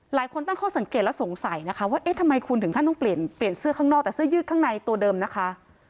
หลายคนตั้งข้อสังเกตแล้วสงสัยนะคะว่าเอ๊ะทำไมคุณถึงขั้นต้องเปลี่ยนเปลี่ยนเสื้อข้างนอกแต่เสื้อยืดข้างในตัวเดิมนะคะ